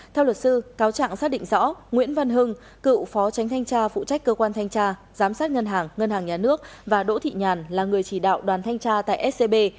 theo luật sư cáo trạng xác định rõ nguyễn văn hưng cựu phó tránh thanh tra phụ trách cơ quan thanh tra giám sát ngân hàng ngân hàng nhà nước và đỗ thị nhàn là người chỉ đạo đoàn thanh tra tại scb